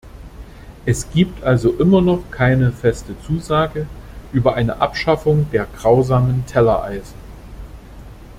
Es gibt also immer noch keine feste Zusage über eine Abschaffung der grausamen Tellereisen.